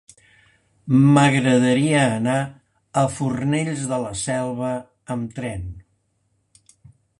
M'agradaria anar a Fornells de la Selva amb tren.